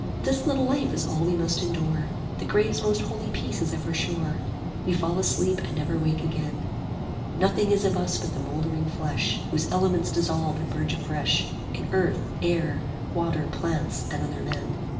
This little life is all we must endure, The grave's most holy peace is ever sure, 50 We fall asleep and never wake again; Nothing is of us but the mouldering flesh, Whose elements dissolve and merge afresh In earth, air, water, plants, and other men.